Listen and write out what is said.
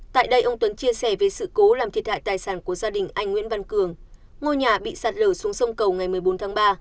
tại đây ông tuấn chia sẻ về sự cố làm thiệt hại tài sản của gia đình anh nguyễn văn cường ngôi nhà bị sạt lở xuống sông cầu ngày một mươi bốn tháng ba